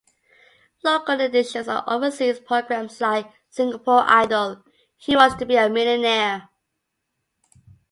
Local editions of overseas programmes like "Singapore Idol", "Who Wants to Be a Millionaire?